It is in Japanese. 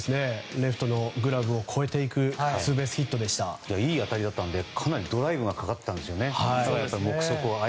レフトのグラブを超えていくいい当たりだったのでかなりドライブがかかったんですよね。